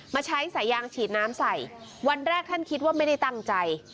มาใช้สายยางฉีดน้ำใส่วันแรกท่านคิดว่าไม่ได้ตั้งใจ